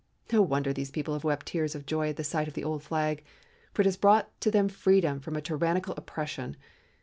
No wonder these people have wept tears of joy at the sight of the old flag, for it has brought to them freedom from a tyrannical oppression.